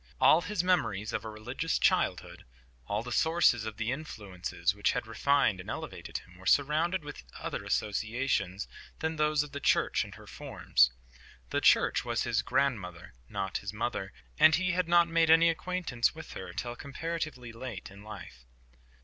All his memories of a religious childhood, all the sources of the influences which had refined and elevated him, were surrounded with other associations than those of the Church and her forms. The Church was his grandmother, not his mother, and he had not made any acquaintance with her till comparatively late in life.